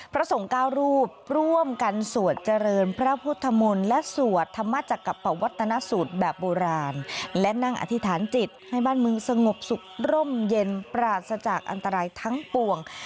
พระสงฆ์๙รูปร่วมกันสวดเจริญพระพุทธมนต์และสวดธรรมจักรปวัตนสูตรแบบโบราณและนั่งอธิษฐานจิตให้บ้านเมืองสงบสุขร่มเย็นปราศจากอันตรายทั้งปวง